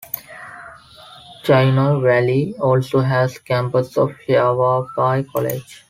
Chino Valley also has a campus of Yavapai College.